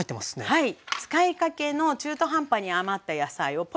はい。